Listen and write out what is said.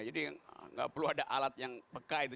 jadi nggak perlu ada alat yang peka itu